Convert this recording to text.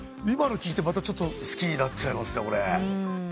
今の聞いてまたちょっと好きになっちゃいますね。